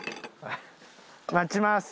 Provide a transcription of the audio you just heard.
待ちます。